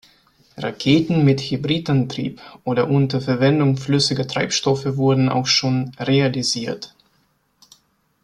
Raketen mit Hybridantrieb oder unter Verwendung flüssiger Treibstoffe wurden auch schon realisiert.